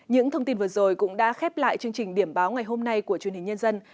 những thông tin vừa rồi cũng đã khép lại chương trình điểm báo ngày hôm nay của truyền hình nhân dân